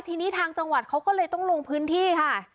ทีนี้ทางจังหวัดเขาก็เลยต้องลงพื้นที่ค่ะ